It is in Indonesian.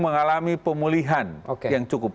mengalami pemulihan yang cukup